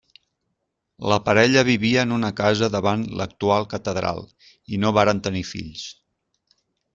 La parella vivia en una casa davant l'actual catedral i no varen tenir fills.